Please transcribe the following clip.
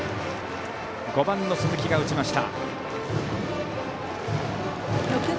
５番の鈴木が打ちました。